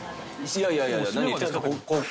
いやいや。